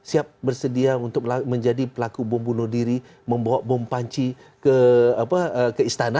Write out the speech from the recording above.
siap bersedia untuk menjadi pelaku bom bunuh diri membawa bom panci ke istana